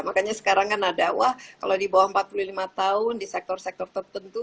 makanya sekarang kan ada wah kalau di bawah empat puluh lima tahun di sektor sektor tertentu